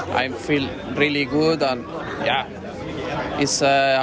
sangat sukar karena pekerjaan saya